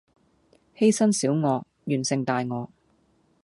犧牲小我，完成大我